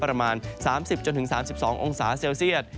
ประมาณ๓๐๓๒องศาเซลเซียต